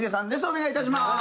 お願いします。